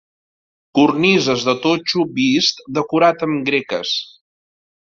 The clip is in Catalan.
Cornises de totxo vist decorat amb greques.